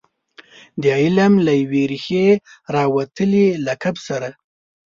د علم له یوې ریښې راوتلي لقب سره.